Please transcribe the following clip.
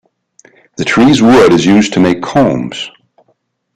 The tree's wood is used to make combs.